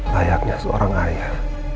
layaknya seorang ayah